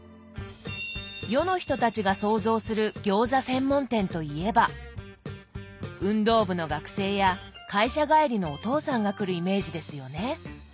世の人たちが想像する餃子専門店といえば運動部の学生や会社帰りのお父さんが来るイメージですよね？